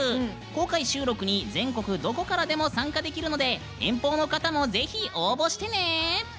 公開収録に全国どこからでも参加できるので遠方の方も、ぜひ応募してね！